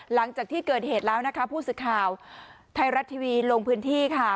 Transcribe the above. หลังจากที่เกิดเหตุแล้วนะคะผู้สื่อข่าวไทยรัฐทีวีลงพื้นที่ค่ะ